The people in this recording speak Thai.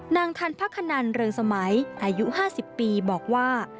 นางทันพระขนันเริงสมัยอายุ๕๐ปีบอกว่า